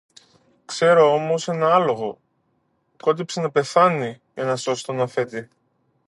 Ξέρω όμως ένα άλογο, που κόντεψε να πεθάνει για να σώσει τον αφέντη.